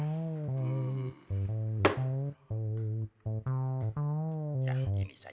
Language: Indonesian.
kalau enggak kalian lagi semua seksi